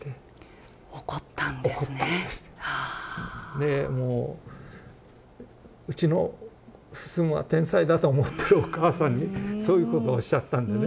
でもう「うちの晋は天才だ」と思ってるお母さんにそういうことをおっしゃったんでね。